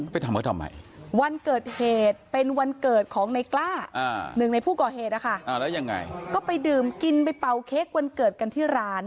ไปทำก็ทำไม